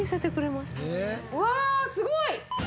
うわすごい！